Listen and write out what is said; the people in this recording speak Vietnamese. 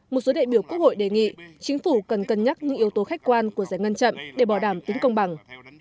một số đại biểu quốc hội đề nghị chính phủ cần cân nhắc những yếu tố khách quan của giải ngân chậm để bỏ đảm tính công bằng